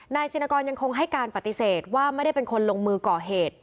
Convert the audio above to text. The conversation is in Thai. ชินกรยังคงให้การปฏิเสธว่าไม่ได้เป็นคนลงมือก่อเหตุ